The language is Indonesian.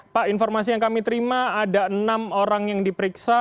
pak informasi yang kami terima ada enam orang yang diperiksa